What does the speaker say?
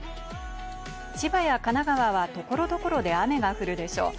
千葉や神奈川は所々で雨が降るでしょう。